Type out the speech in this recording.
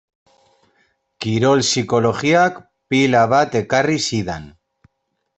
Kirol psikologiak pila bat ekarri zidan.